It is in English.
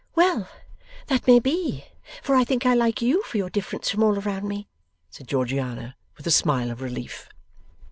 'Well! That may be. For I think I like you for your difference from all around me,' said Georgiana with a smile of relief.